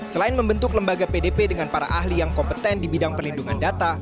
selain membentuk lembaga pdp dengan para ahli yang kompeten di bidang perlindungan data